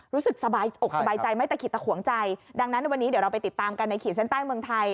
รู้สึกสบายอกสบายใจไม่ตะขิดตะขวงใจดังนั้นในวันนี้เดี๋ยวเราไปติดตามกันในขีดเส้นใต้เมืองไทย